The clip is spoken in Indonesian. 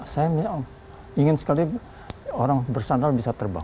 saya ingin sekali orang bersandar bisa terbang